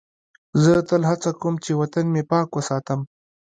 زه تل هڅه کوم چې وطن مې پاک وساتم.